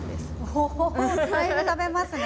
おほほ！だいぶ食べますね。